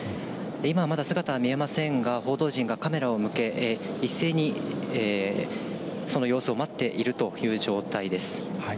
今はまだ姿は見えませんが、報道陣がカメラを向け、一斉にその様子を待っているという状態です。